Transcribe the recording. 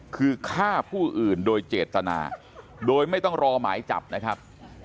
คือฆ่าผู้อื่นโดยเจตนาโดยไม่ต้องรอหมายจับนะครับ